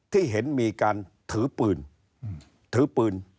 ที่เห็นมีการถือปืนถือปืน